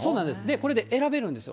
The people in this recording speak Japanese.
これで選べるんですよ。